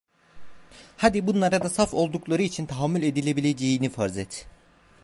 Hadi bunlara da saf oldukları için tahammül edilebileceğini farz et!